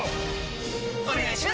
お願いします！！！